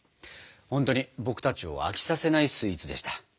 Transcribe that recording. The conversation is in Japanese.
ほんとに僕たちを飽きさせないスイーツでした。